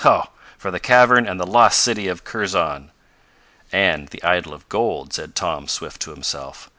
Ho! for the cavern and the lost city of Kurzon." "And the idol of gold," said Tom Swift to himself.